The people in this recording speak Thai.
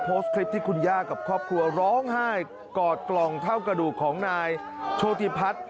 โพสต์คลิปที่คุณย่ากับครอบครัวร้องไห้กอดกล่องเท่ากระดูกของนายโชธิพัฒน์